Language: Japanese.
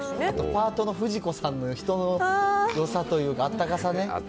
パートの富士子さんの人のよさというか、あったかさね。